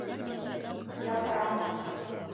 ЯПРАҠ